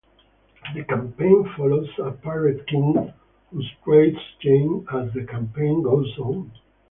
The campaign follows a pirate king whose traits change as the campaign goes on.